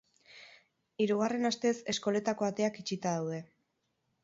Hirugarren astez eskoletako ateak itxita daude.